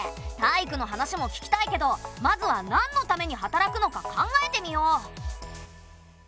タイイクの話も聞きたいけどまずはなんのために働くのか考えてみよう。